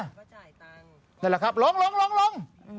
นั่นแหละครับลง